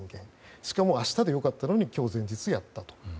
しかも、明日で良かったのに今日、前日にやったと。